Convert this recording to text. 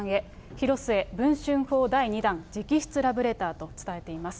広末、文春砲第２弾、直筆ラブレターと伝えています。